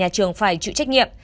nhà trường phải chịu trách nhiệm